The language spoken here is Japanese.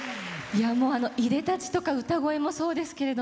いでたちとか歌声もそうですけど